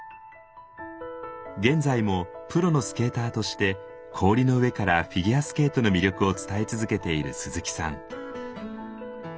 現在もプロのスケーターとして氷の上からフィギュアスケートの魅力を伝え続けている鈴木さん。